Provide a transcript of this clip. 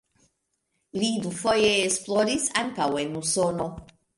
Li dufoje esploris ankaŭ en Usono.